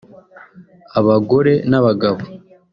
abagore n’abagabo